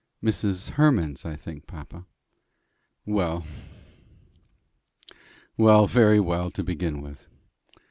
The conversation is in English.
"Mrs. Hemans's, I think, papa." "Well, very well, to begin with.